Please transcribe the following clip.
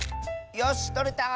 よしとれた！